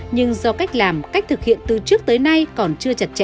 nhưng do cách làm cách thực hiện từ trước tới nay còn chưa chặt chẽ